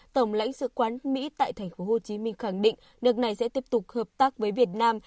tổng lãnh sự quán mỹ tại thành phố hồ chí minh khẳng định nước này sẽ tiếp tục hợp tác với việt nam